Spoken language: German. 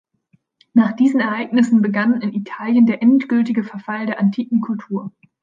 Nach diesen Ereignissen begann in Italien der endgültige Verfall der antiken Kultur.